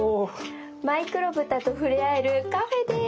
マイクロブタと触れ合えるカフェです！